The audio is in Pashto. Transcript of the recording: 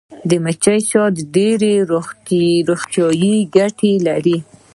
د مچۍ شات ډیرې روغتیایي ګټې لري